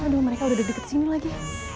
aduh mereka udah deket sini lagi